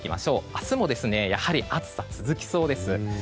明日もやはり暑さ続きそうです。